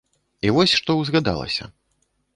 І вось што ўзгадалася.